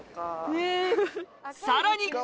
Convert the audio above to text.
さらに！